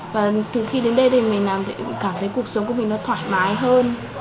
và từ khi đến đây thì mình cảm thấy cuộc sống của mình nó thoải mái hơn